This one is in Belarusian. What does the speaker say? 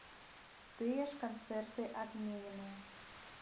Тыя ж канцэрты адмененыя.